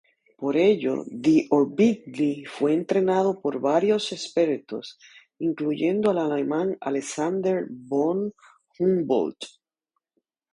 Por ello, d'Orbigny fue entrenado por varios expertos, incluyendo al alemán Alexander von Humboldt.